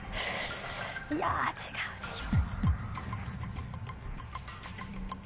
いやぁ違うでしょ。